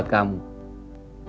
itu yang berarti